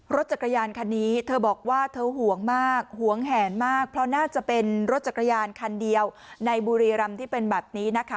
รถจักรยานคันนี้เธอบอกว่าเธอห่วงมากหวงแหนมากเพราะน่าจะเป็นรถจักรยานคันเดียวในบุรีรำที่เป็นแบบนี้นะคะ